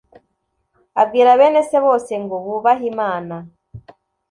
abwira bene se bose ngo bubahe imana.